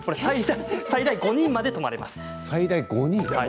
最大５人まで泊まれますよ。